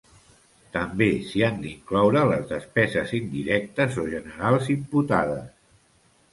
També s'hi han d'incloure les despeses indirectes o generals imputades.